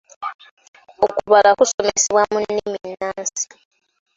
Okubala kusomesebwa mu nnimi nnansi.